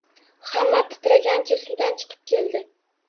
Hamma titragancha suvdan chiqib keldi